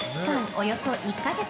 およそ１か月。